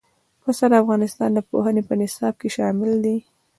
پسه د افغانستان د پوهنې په نصاب کې شامل دی.